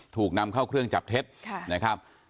ถูกนำเข้าเครื่องจับเท็จนะครับ